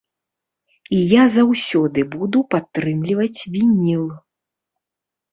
І я заўсёды буду падтрымліваць вініл.